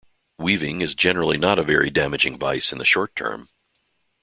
Weaving is generally not a very damaging vice in the short term.